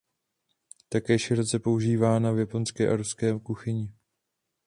Také široce používána v japonské a ruské kuchyni.